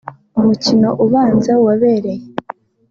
umukino ubanza wabereye